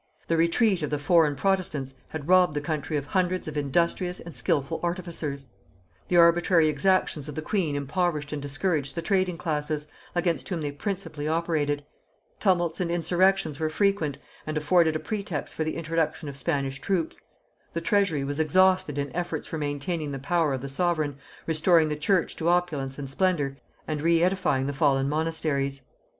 The retreat of the foreign protestants had robbed the country of hundreds of industrious and skilful artificers; the arbitrary exactions of the queen impoverished and discouraged the trading classes, against whom they principally operated; tumults and insurrections were frequent, and afforded a pretext for the introduction of Spanish troops; the treasury was exhausted in efforts for maintaining the power of the sovereign, restoring the church to opulence and splendor, and re edifying the fallen monasteries.